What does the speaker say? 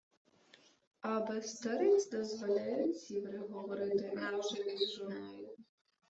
— А без стариць дозволяють сіври говорити можеві з жоною?